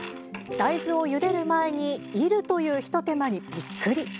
大豆をゆでる前にいるという一手間にびっくり。